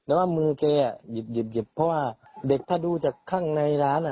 แต่ว่ามือแกหยิบเพราะว่าเด็กถ้าดูจากข้างในร้าน